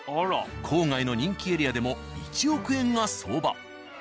郊外の人気エリアでも１億円が相場。